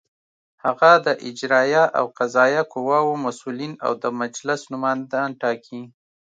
هغه د اجرائیه او قضائیه قواوو مسؤلین او د مجلس نوماندان ټاکي.